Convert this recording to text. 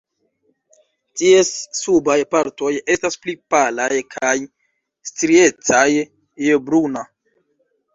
Ties subaj partoj estas pli palaj kaj striecaj je bruna.